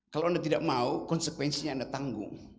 kalau anda tidak mau konsekuensinya anda tanggung